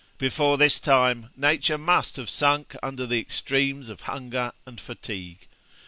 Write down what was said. Before this time nature must have sunk under the extremes of hunger and fatigue.